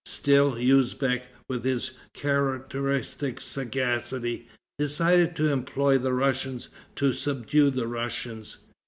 Still Usbeck, with his characteristic sagacity, decided to employ the Russians to subdue the Russians.